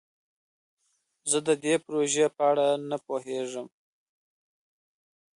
زه د دې پروژې په اړه نه پوهیږم.